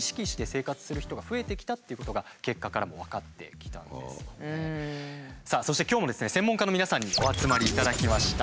一方でそして今日もですね専門家の皆さんにお集まりいただきました。